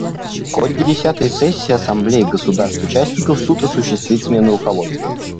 В ходе десятой сессии Ассамблеи государств-участников Суд осуществит смену руководства.